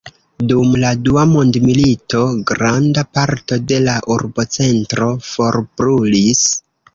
Dum la dua mondmilito granda parto de la urbocentro forbrulis.